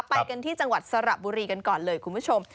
ไปกันที่จังหวัดสระบุรีกันก่อนเลยคุณผู้ชม